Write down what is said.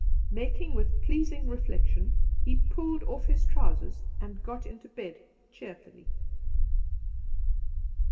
Making which pleasing reflection, he pulled off his trousers and got into bed cheerfully.